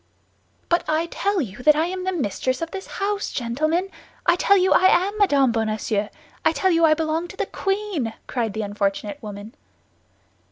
"But I tell you that I am the mistress of the house, gentlemen! I tell you I am Madame Bonacieux; I tell you I belong to the queen!" cried the unfortunate woman.